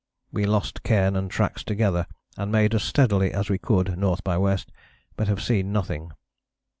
We lost cairn and tracks together and made as steady as we could N. by W., but have seen nothing.